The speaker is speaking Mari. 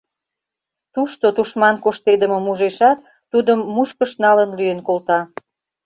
Тушто тушман коштедымым ужешат, тудым мушкыш налын лӱен колта.